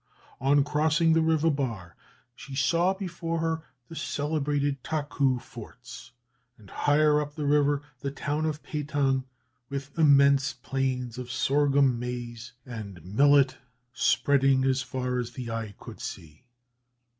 On crossing the river bar, she saw before her the celebrated Taku forts, and higher up the river the town of Pehtang, with immense plains of sorghum, maize, and millet spreading as far as the eye could see.